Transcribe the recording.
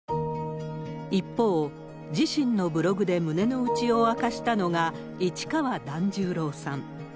一方、地震のブログで胸の内を明かしたのが市川團十郎さん。